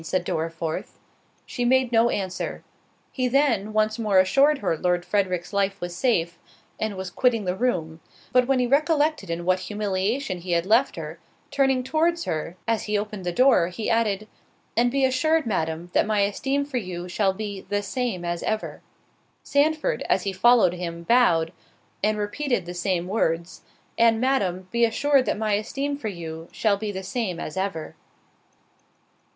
said Dorriforth. She made no answer. He then, once more assured her Lord Frederick's life was safe, and was quitting the room—but when he recollected in what humiliation he had left her, turning towards her as he opened the door, he added, "And be assured, Madam, that my esteem for you, shall be the same as ever." Sandford, as he followed him, bowed, and repeated the same words—"And, Madam, be assured that my esteem for you, shall be the same as ever."